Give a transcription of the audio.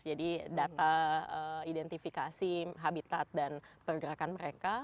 jadi data identifikasi habitat dan pergerakan mereka